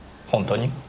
本当に？